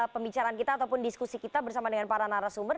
pembicaraan kita ataupun diskusi kita bersama dengan para narasumber